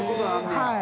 はい。